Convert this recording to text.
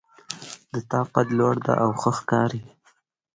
د تا قد لوړ ده او ښه ښکاري